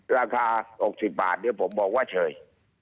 ราคา๖๐บาทเดี๋ยวผมบอกว่าเฉย